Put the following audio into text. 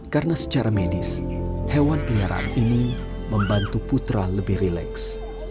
karena secara medis hewan peliharaan ini membantu putra lebih rileks